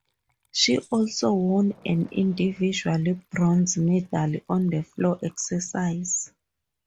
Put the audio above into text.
She also won an individual bronze medal on the floor exercise.